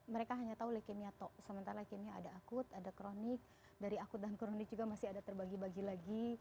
mereka hanya tahu leukemia sementara leukemia ada akut ada kronik dari akut dan kronik juga masih ada terbagi bagi lagi